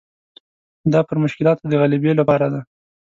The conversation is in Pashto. دا پر مشکلاتو د غلبې لپاره ده.